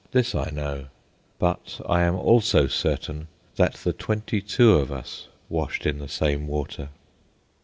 This I know; but I am also certain that the twenty two of us washed in the same water.